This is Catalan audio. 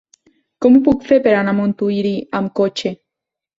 Com ho puc fer per anar a Montuïri amb cotxe?